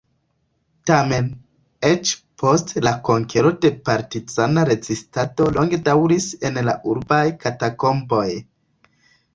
Tamen, eĉ post la konkero la partizana rezistado longe daŭris en la urbaj katakomboj.